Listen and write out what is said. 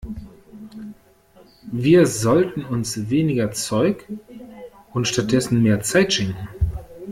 Wir sollten uns weniger Zeug und stattdessen mehr Zeit schenken.